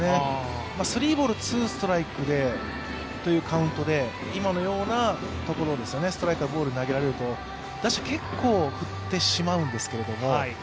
スリーボール・ツーストライクというカウントで、今のようなところですよね、ストライクからボール投げられると打者、結構振ってしまうんですけれども。